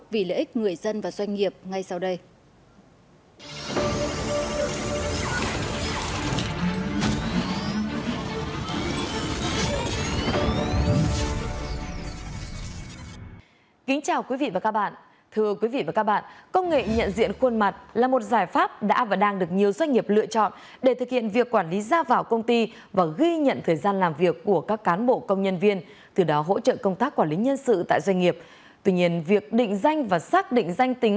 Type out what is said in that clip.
vì lợi ích người dân và doanh nghiệp ngay sau đây